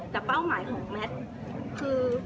แต่เป้าหมายของแมทคือ